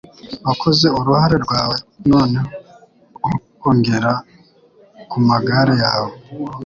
Wakoze uruhare rwawe noneho ongera kumagare yawe